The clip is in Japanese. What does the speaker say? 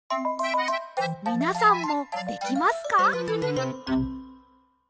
みなさんもできますか？